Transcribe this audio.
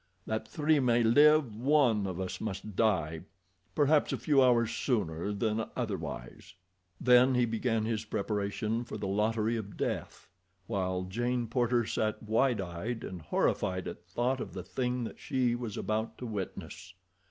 That three may live, one of us must die perhaps a few hours sooner than otherwise." Then he began his preparation for the lottery of death, while Jane Porter sat wide eyed and horrified at thought of the thing that she was about to witness.